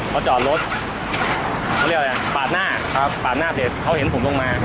เขาจอดรถเขาเรียกอะไรปาดหน้าครับปาดหน้าเสร็จเขาเห็นผมลงมา